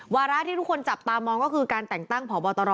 วาระที่ทุกคนจับตามองก็คือการแต่งตั้งผอบตร